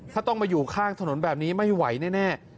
ถ้าต้องมาอยู่ข้างถนนแบบนี้ไม่ไหวแน่